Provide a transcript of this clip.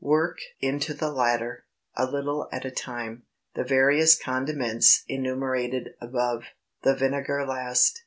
Work into the latter, a little at a time, the various condiments enumerated above, the vinegar last.